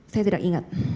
saya tidak ingat